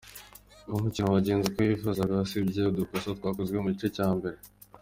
We umukino wagenze uko yifuzaga, usibye udukosa twakozwe mu gice cya mbere.